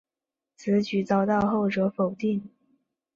此举遭到后者否定。